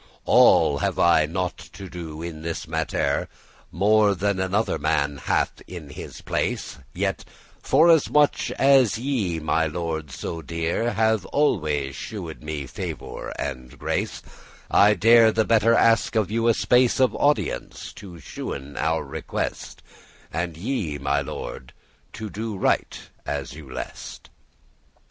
"All* have I nought to do in this mattere *although More than another man hath in this place, Yet forasmuch as ye, my Lord so dear, Have always shewed me favour and grace, I dare the better ask of you a space Of audience, to shewen our request, And ye, my Lord, to do right *as you lest.